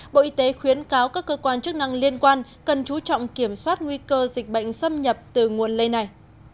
bộ y tế khuyến cáo các cơ quan chức năng liên quan cần chú trọng kiểm soát nguy cơ dịch bệnh xâm nhập từ nguồn lây này